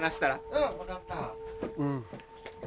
うん分かった。